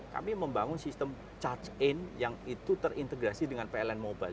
kami membangun sistem charge in yang itu terintegrasi dengan pln mobile